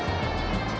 jangan makan aku